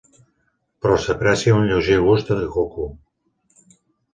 Però s'aprecia un lleuger gust de coco.